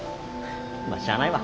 まあしゃあないわ。